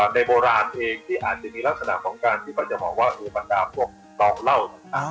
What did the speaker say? ในโบราณเองที่อาจจะมีลักษณะของการปัญหาว่าอุปัญหาต่อเล่า